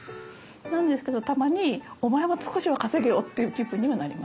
なんですけどたまにお前も少しは稼げよっていう気分にはなりますね。